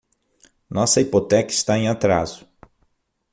Nossa hipoteca está em atraso.